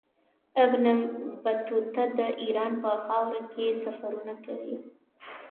ابن بطوطه د ایران په خاوره کې سفرونه کړي.